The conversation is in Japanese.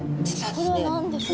これは何ですか？